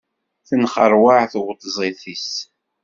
Tenxeṛwaɛ tweṭzit-is.